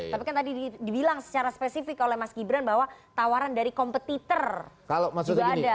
tapi kan tadi dibilang secara spesifik oleh mas gibran bahwa tawaran dari kompetitor juga ada